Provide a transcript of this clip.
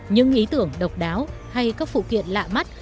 những ý tưởng độc đáo hay các phụ kiện lạ mắt